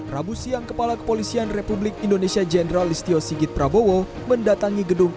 rabu siang kepala kepolisian republik indonesia jenderal istio sigit prabowo mendatangi gedung